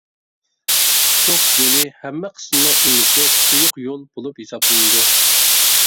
توك يولى ھەممە قىسمىنىڭ ئۇلىنىشى تۇيۇق يول بولۇپ ھېسابلىنىدۇ.